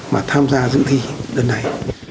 mà tham gia dự thi đợt này